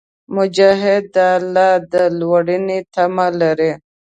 مجاهد د الله د لورینې تمه لري.